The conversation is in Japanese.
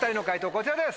こちらです。